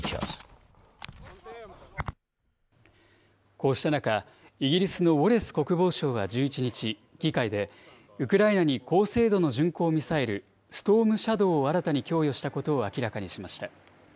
こうした中、イギリスのウォレス国防相は１１日、議会でウクライナに高精度の巡航ミサイル、ストームシャドーを新たに供与したことを明らかにしました。